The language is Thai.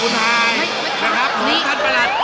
เส้นพรรดิ